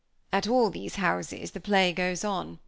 At all these houses play goes on.